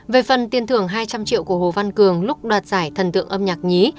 về phần tiền thưởng hai trăm linh triệu của hồ văn cường lúc đoạt giải thần tượng âm nhạc nhí